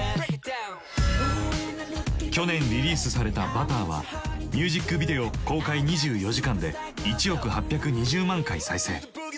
去年リリースされた「Ｂｕｔｔｅｒ」はミュージックビデオ公開２４時間で１億８２０万回再生。